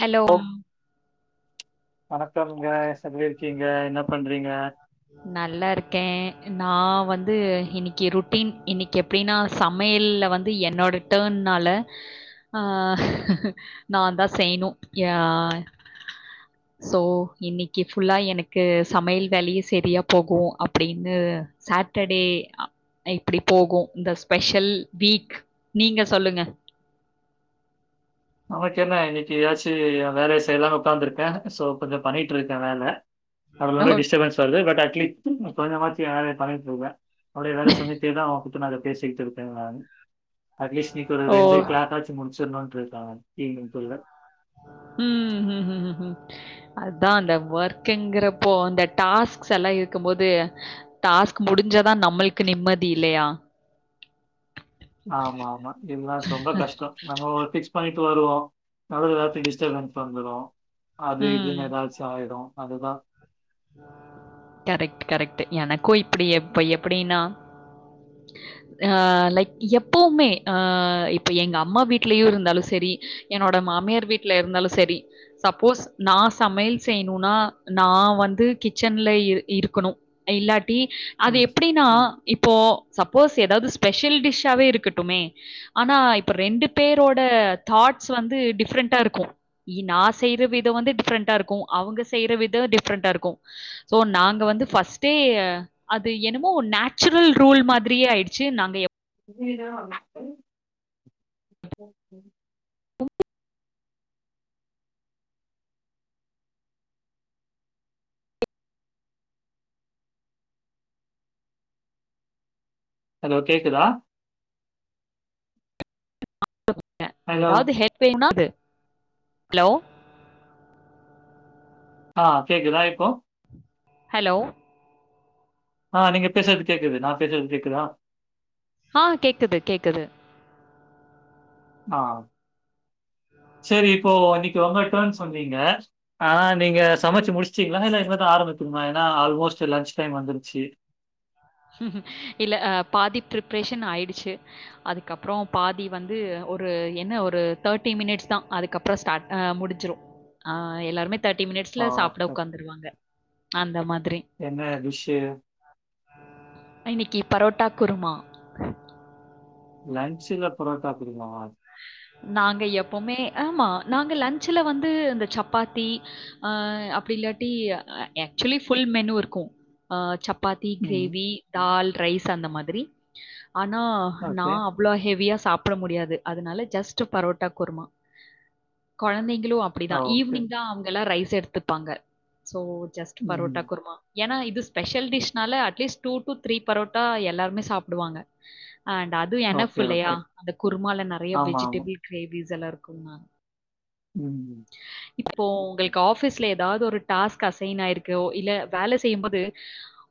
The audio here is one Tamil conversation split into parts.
ஹலோ ஓ அம் வணக்கம்ங்க எஸ் எப்டி இருக்கீங்க என்ன பண்றீங்க நல்லா இருக்கே நா வந்து இன்னிக்கி ரொட்டீன் இன்னிக் கி எப்டின்னா சமையல்ல வந்து என்னோட டேர்ன்னால ஆ நாந்தா செய்ணு யா சோ இன்னைக்கி ஃபுல்லா எனக்கு சமையல் வேலையே செரியா போகு அப்டின்னு சாட்டர்டே அ இப்டி போகு இந்த ஸ்பெஷல் வீக் நீங்க சொல்லுங்க நமக்கு என்ன இன்னைக்கி எதாச்சு யேன் வேலைய செய்யலானு உக்காந்துருக்கே சோ கொஞ்சோ பண்ணிட்ருக்கே வேல அதனாலதா ஓகே. டிஸ்டபன்ஸ் வருது பட் ஆக்சுலி ம் கொஞ்சமாச்சு வேலய பண்ணிட்டு இருக்கறே அப்டியே வேல செஞ்சிட்டேதா உங்கள கூப்ட்டு நா இத பேசிட்ருக்கே நானு அட்லீஸ்ட் இன்னக்கி ஒரு ரெண்டு ஓ! கிளாத்தாச்சு முடிச்சிரணுட்ருக்கே நானு ஈவினிங்க்குள்ள ம் ஹும் ஹும் ஹும் ஹும் அதா அந்த ஒர்க்குங்குறப்போ அந்த டாஸ்க்ஸ் எல்லா இருக்கும் போது டாஸ்க் முடிஞ்சாதா நம்மளுக்கு நிம்மதி இல்லையா ஆமா ஆமா இல்லனா ரொம்ப கஷ்டோ நம்ம ஒன்னு ஃபிக்ஸ் பண்ணிட்டு வருவோ நடுவுல எதாச்சி டிஸ்டபன்ஸ் வந்துரு அது ம். இதுன்னு எதாச்சு ஆயிரு அதுதா கரெக்ட் கரெக்ட்டு எனக்கு இப்டி இப்ப எப்பிடின்னா அ லைக் எப்பவுமே ஆ இப்ப எங்க அம்மா வீட்லயு இருந்தாலு செரி என்னோட மாமியார் வீட்ல இருந்தாலு சரி சப்போஸ் நா சமையல் செய்ணுனா நா வந் து கிச்சன்ல இ இருக்கணு இல்லாட்டி அது ம். எப்டின்னா இப்போ சப்போஸ் எதாவது ஸ்பெஷல் டிஷ்ஷாவே இருக்கட்டுமே ஆனா இப்ப ரெண்டு பேரோட தாட்ஸ் வந்து டிஃப்ரெண்டா இருக்கு இ நா செய்ற விதோ வந்து டிஃப்ரெண்டா இருக்கு அவுங்க செய்ற விதோ டிஃப்ரெண்டா இருக்கு சோ நாங்க வந்து ஃபஸ்ட்டே அது என்னமோ நேச்சுரல் ரூல் மாதிரியே ஆயிடுச்சு நாங்க எப் ஜீனோ [unintelligible] ஹலோ கேக்குதா [inaudible] ஹலோ. ஏதாவது ஹெல்ப் வேணா இது ஹலோ ஆ கேக்குதா இப்போ ஹலோ ஆ நீங்க பேசுறது கேக்குது நா பேசுறது கேக்குதா ஹா கேக்குது கேக்குது ஆ செரி இப்போ இன்னிக்கு உங்க டர்ன் சொன்னீங்க ஆனா நீங்க சமச்சு முடிச்டீங்ளா இல்ல இனிமேதா ஆரம்பிக்குனுமா ஏன்னா ஆல்மோஸ்ட் லன்ச் டைம் வந்துருச்சு இல்ல ஆ பாதி பிரிப்ரேஷன் ஆயிடுச்சு அதுக்கப்றோ பாதி வந்து ஒரு என்ன ஒரு தேர்ட்டி மினிஸ்தா அதுக்கப் றோ ஸ்டாட் ஆ முடிஞ்சிரு ஆ எல்லாருமே தேர்ட்டி ஆ மினிட்ஸ்ல சாப்ட உக்காந்துருவாங்க அந்த மாதிரி என்ன டிஷ்ஷூ இன்னிக்கு பரோட்டா குருமா லன்ச்சுல பரோட்டா குருமாவா நாங்க எப்போமே ஆமா நாங்க லன்ச்சுல வந்து அந்த சப்பாத்தி ஆ அப்டி இல்லாட்டி அ ஆக்ச்சுலி ஃபுல் மெனு இருக்கு ஆ சப்பாத்தி ம். கிரேவி தால் ரைய்ஸ் அந்த மாதிரி அனா நா ஓகே. அவ் ளோ ஹெவியா சாப்ட முடியாது அதுனால ஜஸ்ட் பரோட்டா குர்மா கொழந்தைங் களு ஆ அப்டிதா ஓகே. ஈவினிங்தா அவங்கல்லா ரைஸ் எடுத்துப்பாங்க சோ ஜஸ்ட் ம். பரோட்டா குர்மா ஏனா இது ஸ்பெஷல் டிஷ்னால at least two to three parotta எல்லாருமே சாப்டுவாங்க அண்ட் அது என்னஃப் ஓகே, ஓகே. இல்லையா அந்த குர்மால நெறைய ஆமா, ஆமா. வெஜிடபிள் கிரேவிஸ் எல்லா இருக்கும்ண்ணா ம் இப்போ உங்ளுக்கு ஆஃபீஸ்ல ஏதாவது ஒரு டாஸ்க் அசைன் ஆயிருக்கோ இல்ல வேல செய்யும்போது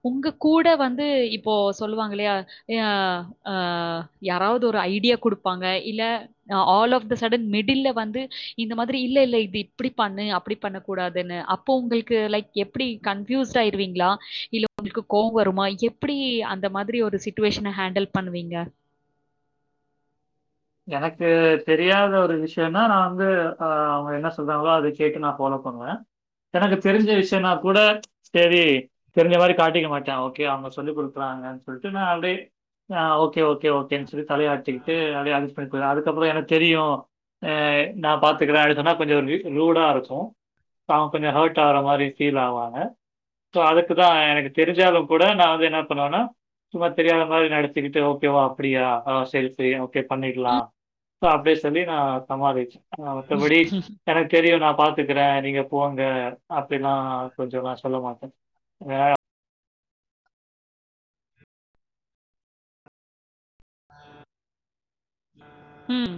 உங்க கூட வந்து இப்போ சொல்லுவாங்க இல்லயா யா ஆ யாராவது ஒரு ஐடியா குடுப்பாங்க இல்ல அ ஆல் ஆஃப் த சடன் மிடில்ல வந்து இந்த மா இல்ல இல்ல இது இப்டி பண்ணு அப்டி பண்ணக்கூடாதுன்னு அப்போ உங்களுக்கு லைக் எப்டி கன்ஃப்யூஸ் ஆயிடுவீங்களா இல்ல உங்ளுக்கு கோவ வருமா எப்டி அந்த மாதிரி ஒரு சிட்டுவேஷன ஹேண்டல் பண்ணுவீங்க எனக்கு தெரியாத ஒரு விஷயனா நா வந்து ஆ அவங்க என்ன சொல்றாங்களோ அத கேட்டு நா ஃபாலோ பண்ணுவே எனக்கு தெரிஞ்ச விஷயன்னா கூட செரி தெரிஞ்ச மாரி காட்டிக்க மாட்டா ஓக்கே அவங்க சொல்லி குடுக்குறாங்க சொல்ட்டு நா அப்டே ஆ ஓகே ஓகே ஓகேன் சொல்லி தலையாட்டிக்கிட்டு அப்டியே அஜிஸ் பண்ணி போயிருவ அதுக்கப்புறோ எனக்கு தெரியு ஆ நா பாத்துக்குற அப்டி சொன்னா கொஞ்ச வந்து ரூடா இருக்கு அ கொஞ்ச ஹர்ட் ஆற மாரி ஃபீல் ஆவாங்க சோ அதுக்குதா எனக்கு தெரிஞ்சாலு கூட நா வந்து என்ன பண்ணுவனா சும்மா தெரியாத மாரி நடிச்சிக்கிட்டு ஓகேவா அப்டியா அ செர் செரி ஓகே பண்ணி க்கலா சோ அப்டியே சொல்லி நா சமாளிச்ச அ மத்தபடி எனக்கு தெரியு நா பாத்துக்குற நீங்க போங்க அப்டிலா கொஞ்ச நா சொல்ல மாட்ட ஆ ம்